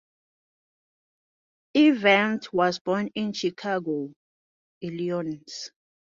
Evert was born in Chicago, Illinois.